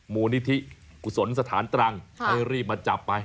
มูลนิธิกุศลสถานตรังให้รีบมาจับไป